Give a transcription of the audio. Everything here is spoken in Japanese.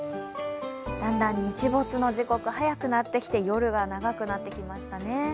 だんだん日没の時刻早くなってきて、夜が長くなってきましたね。